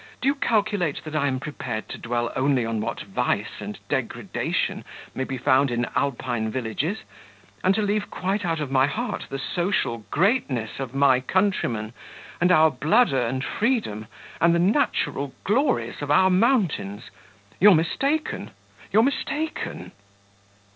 Do you calculate that I am prepared to dwell only on what vice and degradation may be found in Alpine villages, and to leave quite out of my heart the social greatness of my countrymen, and our blood earned freedom, and the natural glories of our mountains? You're mistaken you're mistaken."